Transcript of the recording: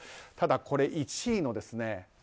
ただ、これ１位のＲＯＣ